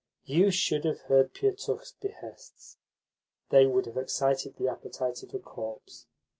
You should have heard Pietukh's behests! They would have excited the appetite of a corpse.